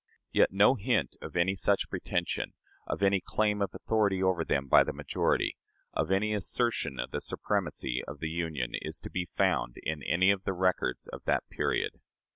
Yet no hint of any such pretension of any claim of authority over them by the majority of any assertion of "the supremacy of the Union" is to be found in any of the records of that period.